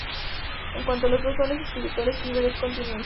En cuanto a los dones espirituales, Piper es continuista.